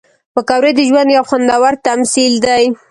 پکورې د ژوند یو خوندور تمثیل دی